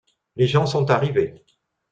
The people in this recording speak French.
Les gens sont arrivés.